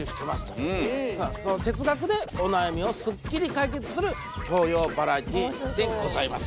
哲学でお悩みをスッキリ解決する教養バラエティーでございます。